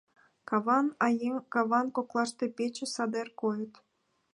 Каван аен каван коклаште пече, садер койыт.